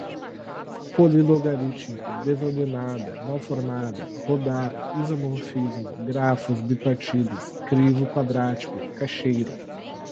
polilogarítmico, desordenada, mal-formada, rodar, isomofismo, grafos bipartidos, crivo quadrático, cacheiro